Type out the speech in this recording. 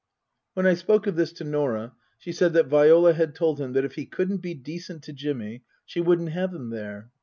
When I spoke of this to Nor ah, she said that Viola had told him that if he couldn't be decent to Jimmy she wouldn't have him there.